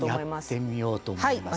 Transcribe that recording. やってみようと思います。